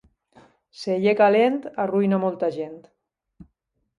Celler calent arruïna molta gent.